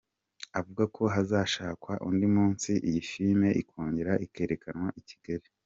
Avuga ko hazashakwa undi munsi iyi filimi ikongera ikerekanwa i Kigali.